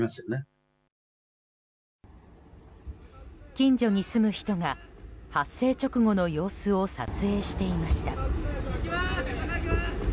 近所に住む人が、発生直後の様子を撮影していました。